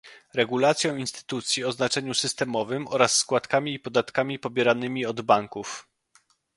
regulacją instytucji o znaczeniu systemowym oraz składkami i podatkami pobieranymi od banków